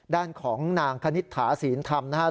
ด้านของนางคณิตถาศีลธรรมนะครับ